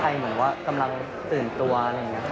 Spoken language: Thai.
เหมือนว่ากำลังตื่นตัวอะไรอย่างนี้ครับ